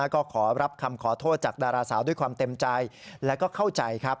ก็ขอรับคำขอโทษจากดาราสาวด้วยความเต็มใจแล้วก็เข้าใจครับ